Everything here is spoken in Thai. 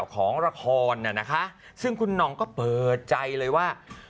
ของละครน่ะนะคะซึ่งคุณนองก็เปิดใจเลยว่า